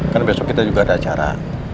karena besok kita juga ada acara